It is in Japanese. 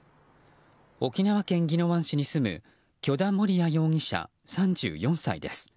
沖縄県宜野湾市に住む許田盛哉容疑者、３４歳です。